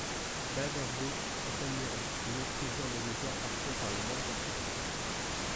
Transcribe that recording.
Beaverbrook est admiré et méprisé en Angleterre, parfois par les mêmes personnes.